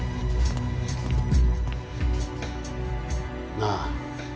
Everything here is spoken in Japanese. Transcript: なあ。